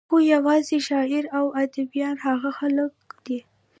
خو يوازې شاعران او اديبان هغه خلق دي